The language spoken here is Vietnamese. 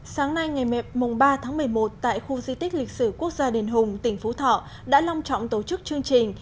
sáng nay ngày ba một mươi một tại khu di tích lịch sử quốc gia điền hùng tỉnh phú thọ đã long trọng tổ chức chương trình